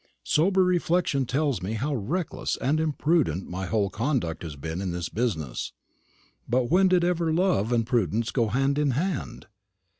Sober reflection tells me how reckless and imprudent my whole conduct has been in this business; but when did ever love and prudence go hand in hand?